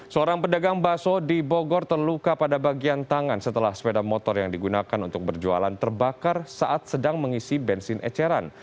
seorang pedagang bakso di bogor terluka pada bagian tangan setelah sepeda motor yang digunakan untuk berjualan terbakar saat sedang mengisi bensin eceran